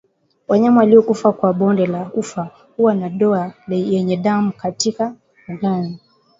Wanyama waliokufa kwa bonde la ufa huwa na doa yenye damu katika ogani